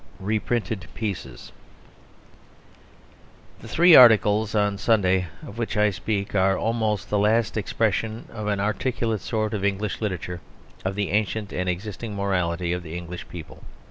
REPRINTED PIECES The three articles on Sunday of which I speak are almost the last expression of an articulate sort in English literature of the ancient and existing morality of the English people.